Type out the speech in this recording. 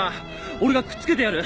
俺がくっつけてやる！